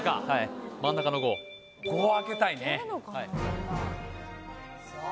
真ん中の５５は開けたいねさあ